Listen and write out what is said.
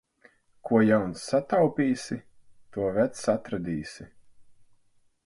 Ko jauns sataupīsi, to vecs atradīsi.